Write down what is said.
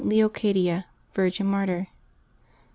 LEOCADIA, Virgin, Martyr. [T.